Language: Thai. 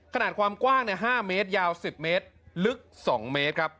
ขนาดความกว้างเนี่ยห้าเมตรยาวสิบเมตรลึกสองเมตรครับ